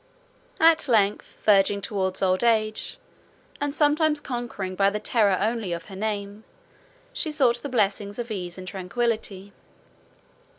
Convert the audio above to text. At length, verging towards old age, and sometimes conquering by the terror only of her name, she sought the blessings of ease and tranquillity.